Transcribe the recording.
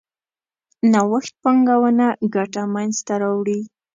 نوښت پانګونه ګټه منځ ته راوړي.